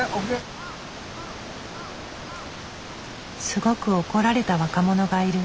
すごく怒られた若者がいる。